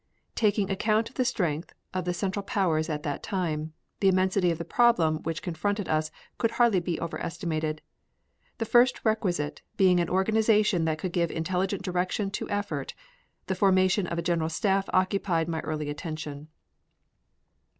Taking account of the strength of the central powers at that time, the immensity of the problem which confronted us could hardly be overestimated. The first requisite being an organization that could give intelligent direction to effort, the formation of a General Staff occupied my early attention.